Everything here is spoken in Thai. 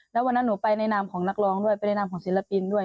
แล้ววันนั้นหนูไปในนามของนักร้องด้วยไปในนามของศิลปินด้วย